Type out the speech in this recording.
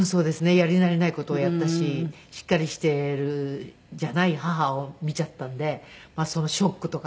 やり慣れない事をやったししっかりしているじゃない母を見ちゃったんでそのショックとか。